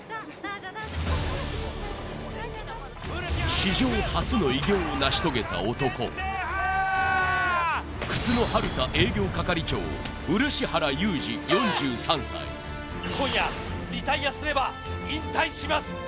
史上初の偉業を成し遂げた男靴のハルタ営業係長漆原裕治４３歳今夜リタイアすれば引退します